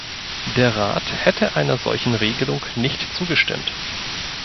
Der Rat hätte einer solchen Regelung nicht zugestimmt.